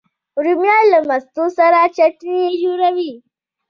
رومیان له مستو سره چټني جوړوي